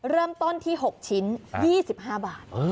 เริ่มต้นที่๖ชิ้น๒๕บาท